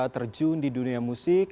terjun di dunia musik